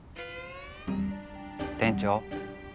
店長。